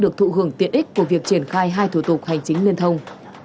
có việc triển khai hai thủ tục hành chính liên thông